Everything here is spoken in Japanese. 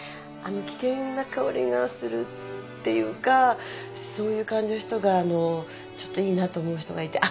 危険な香りがするっていうかそういう感じの人があのうちょっといいなと思う人がいて。